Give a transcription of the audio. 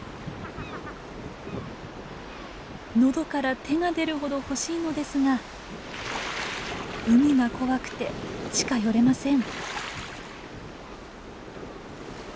喉から手が出るほど欲しいのですが海が怖くて近寄れません。